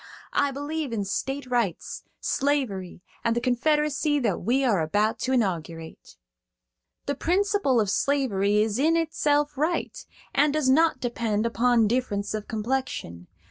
I believe in state rights, slavery, and the Confederacy that we are about to inaugurate. "The principle of slavery is in itself right, and does not depend upon difference of complexion.